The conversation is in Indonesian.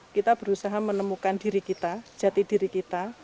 kita berusaha menemukan diri kita jati diri kita